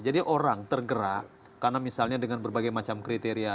jadi orang tergerak karena misalnya dengan berbagai macam kriteria